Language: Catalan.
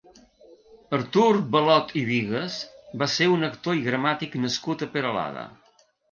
Artur Balot i Bigues va ser un actor i gramàtic nascut a Peralada.